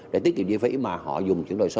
để tiết kiệm giấy phí mà họ dùng